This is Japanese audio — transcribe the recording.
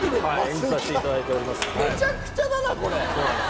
めちゃくちゃだなこれ！